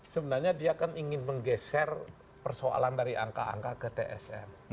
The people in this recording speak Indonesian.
sebenarnya dia kan ingin menggeser persoalan dari angka angka ke tsm